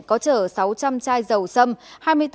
có chở sáu trăm linh chai dầu xâm